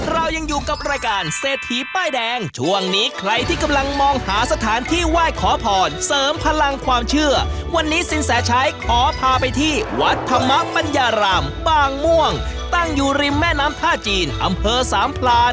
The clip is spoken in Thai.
เรายังอยู่กับรายการเศรษฐีป้ายแดงช่วงนี้ใครที่กำลังมองหาสถานที่ไหว้ขอพรเสริมพลังความเชื่อวันนี้สินแสชัยขอพาไปที่วัดธรรมปัญญารามบางม่วงตั้งอยู่ริมแม่น้ำท่าจีนอำเภอสามพลาน